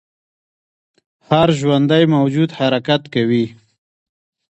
هر ژوندی موجود حرکت کوي